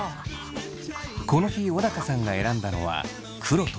この日小高さんが選んだのは黒と赤のマジック。